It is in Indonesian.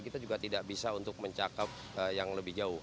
kita juga tidak bisa untuk mencakap yang lebih jauh